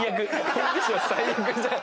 コンディション最悪じゃん。